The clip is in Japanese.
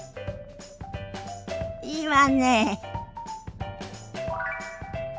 いいわね。